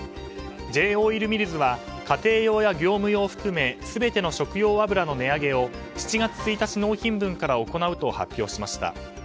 Ｊ‐オイルミルズは家庭用や業務用を含め全ての食用油の値上げを７月１日納品分から行うと発表しました。